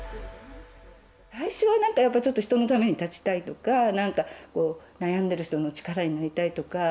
最初はなんか、やっぱり人のために立ちたいとか、なんかこう、悩んでる人の力になりたいとか。